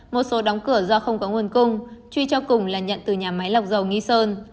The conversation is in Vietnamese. một số đóng cửa do không có nguồn cung truy cho cùng là nhận từ nhà máy lọc dầu nghi sơn